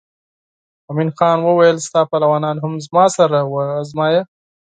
مومن خان وویل ستا پهلوانان هم زما سره وازمایه.